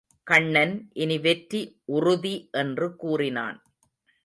கண்ணன் இனி வெற்றி உறுதி என்று கூறினான்.